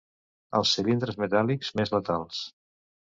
Els cilindres metàl·lics més letals.